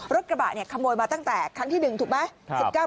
กระบะเนี่ยขโมยมาตั้งแต่ครั้งที่๑ถูกไหม